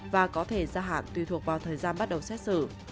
và có thể gia hạn tùy thuộc vào thời gian bắt đầu xét xử